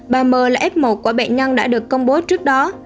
ba m là f một của bệnh nhân đã được công bố trước đó